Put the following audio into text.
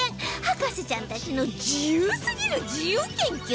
博士ちゃんたちの自由すぎる自由研究